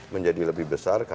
menjadi lebih besar